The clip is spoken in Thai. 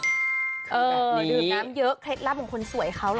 ดื่มน้ำเยอะเคล็ดลับของคนสวยเขาล่ะ